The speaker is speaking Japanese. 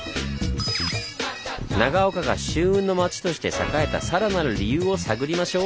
長岡が舟運の町として栄えたさらなる理由を探りましょう！